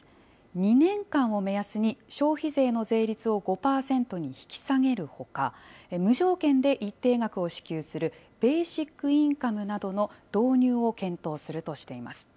２年間を目安に、消費税の税率を５％に引き下げるほか、無条件で一定額を支給する、ベーシックインカムなどの導入を検討するとしています。